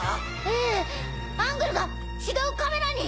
ええアングルが違うカメラに！